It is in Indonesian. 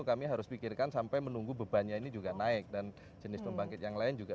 kami harus pikirkan sampai menunggu bebannya ini juga naik dan jenis pembangkit yang lain juga